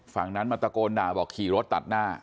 ฝั่งนั้นมาตะโกนด่าบอกขี่รถตัดหน้า